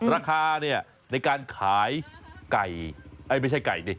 ราคาในการขายไก่